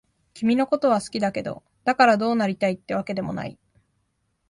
君のことは好きだけど、だからどうなりたいってわけでもない。